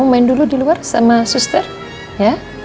kamu main dulu di luar sama sister ya